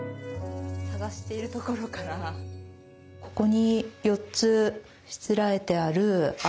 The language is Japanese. ここに４つしつらえてある藍